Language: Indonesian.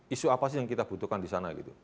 isu apa sih yang kita butuhkan disana